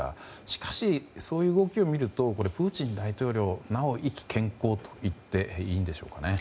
しかし、そういう動きを見るとプーチン大統領、なお意気軒高と言っていいんでしょうかね。